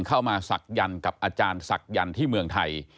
เข้ามาศักดิ์ยันทร์กับอาจารย์ศักดิ์ยันทร์ที่เมืองไทย